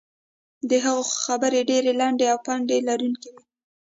د هغه خبرې ډېرې لنډې او پند لرونکې وې.